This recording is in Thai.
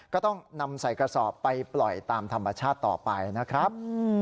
ก็ต้องนำใส่กระสอบไปปล่อยตามธรรมชาติต่อไปนะครับ